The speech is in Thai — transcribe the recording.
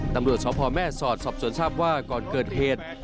ตำรวจสพแม่สอดสอบสวนทราบว่าก่อนเกิดเหตุ